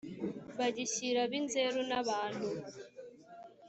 bagishira bi nzeru nabantu